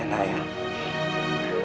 aku jadi gak bisa tidur